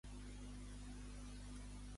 Com va catalogar Vox?